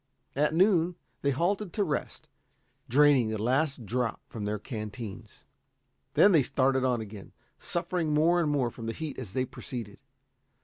At noon they halted to rest, draining the last drop from their canteens. Then they started on again, suffering more and more from the heat as they proceeded.